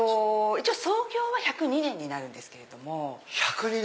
一応創業は１０２年になるんですけれども。